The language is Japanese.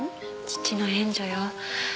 父の援助よ。